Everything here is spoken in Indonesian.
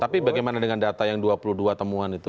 tapi bagaimana dengan data yang dua puluh dua temuan itu